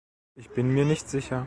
Ich bin mir nicht sicher.